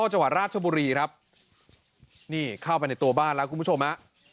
จังหวัดราชบุรีครับนี่เข้าไปในตัวบ้านแล้วคุณผู้ชมฮะ